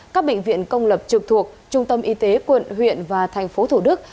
các bệnh viện công lập trực thuộc trung tâm y tế quận huyện và tp thủ đức